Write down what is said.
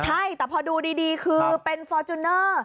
ใช่แต่พอดูดีคือเป็นฟอร์จูเนอร์